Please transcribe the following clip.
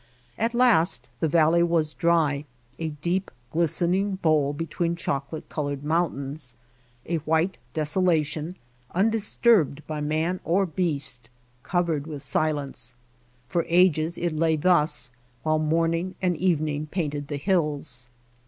At last the valley was dry, a deep glistening bowl between choco late colored mountains, a white desolation un disturbed by man or beast, covered with silence. For ages it lay thus while morning and evening painted the hills.